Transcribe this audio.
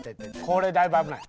これだいぶ危ない。